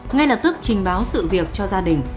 ngay lập tức trình báo sự việc cho gia đình